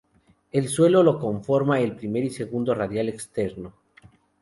El suelo lo conforman el primer y segundo radial externo.